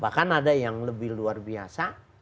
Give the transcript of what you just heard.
bahkan ada yang lebih luar biasa